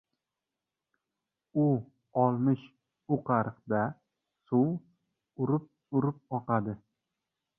U olmish o‘qariqda suv urib-urib oqadi.